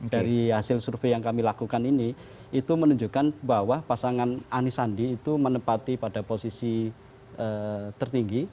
dari hasil survei yang kami lakukan ini itu menunjukkan bahwa pasangan ani sandi itu menempati pada posisi tertinggi